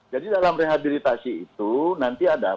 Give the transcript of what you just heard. jadi dalam rehabilitasi itu nanti ada